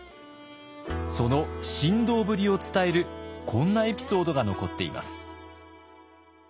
その神童ぶりを伝えるこんなエピソードが残っています。